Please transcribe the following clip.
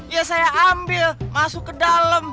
ya saya ambil masuk ke dalam